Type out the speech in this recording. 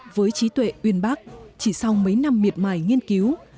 với trí tuệ uyên bác chỉ sau mấy năm miệt mài nghiên cứu